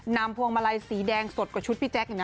พวงมาลัยสีแดงสดกว่าชุดพี่แจ๊คอีกนะ